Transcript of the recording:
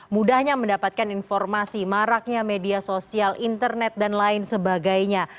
mudahnya mendapatkan informasi maraknya media sosial internet dan lain sebagainya